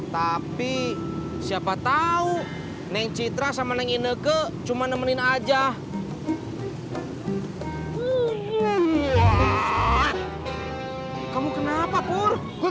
tapi siapa tapi siapa tau bapak ofto zix sylvia saya rhythmic c empat ini kan adek adek iki iyi ini kan adek adek iki iyi ini kan adem kakak bro optimal menangkap makanan adaves kok coating ga paham